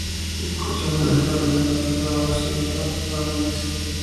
El coche fue desarrollado en colaboración con Tata Technologies.